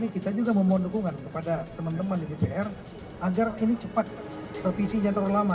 kita juga memohon dukungan kepada teman teman di dpr agar ini cepat revisinya terlalu lama